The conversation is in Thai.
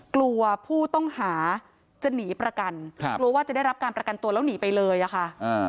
กลัวผู้ต้องหาจะหนีประกันครับกลัวว่าจะได้รับการประกันตัวแล้วหนีไปเลยอะค่ะ